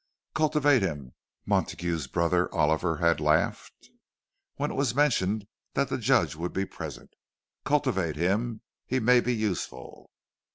"Cultivate him!" Montague's brother Oliver had laughed, when it was mentioned that the Judge would be present—"Cultivate him—he may be useful."